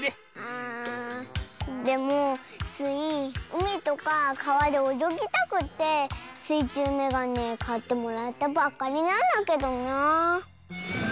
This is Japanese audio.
あでもスイうみとかかわでおよぎたくってすいちゅうメガネかってもらったばっかりなんだけどなあ。